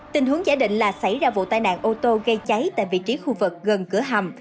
tình huống giả định là xảy ra vụ tai nạn ô tô gây cháy tại vị trí khu vực gần cửa hầm